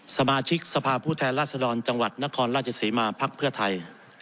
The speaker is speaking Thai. สมาชิกสภาพผู้แทนราชดรจังหวัดนครราชศรีมาภักดิ์เพื่อไทย